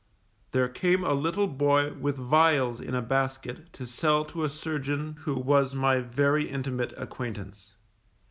There came a little boy with vials in a basket to sell to a surgeon who was my very intimate acquaintance.